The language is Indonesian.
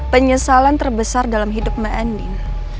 penyesalan terbesar dalam hidup mbak andi